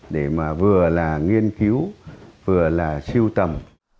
để mà vừa là nghiên cứu vừa là siêu tầm